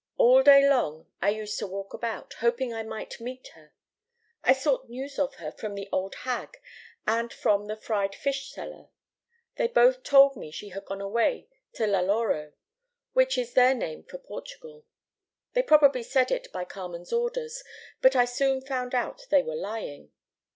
All day long I used to walk about, hoping I might meet her. I sought news of her from the old hag, and from the fried fish seller. They both told me she had gone away to Laloro, which is their name for Portugal. They probably said it by Carmen's orders, but I soon found out they were lying.